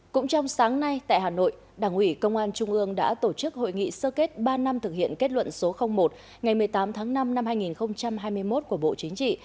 cũng trong sáng nay tại hà nội đảng ủy công an trung ương đã tổ chức hội nghị sơ kết ba năm thực hiện kết luận số một ngày một mươi tám tháng năm năm hai nghìn hai mươi một của bộ chính trị